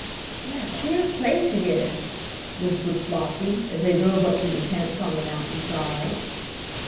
"What a queer place it is!" whispered Flossie, as they drove up to the tents on the mountain side.